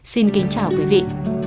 xin kính chào quý vị